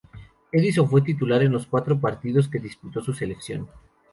Edison fue titular en los cuatro partidos que disputó su selección.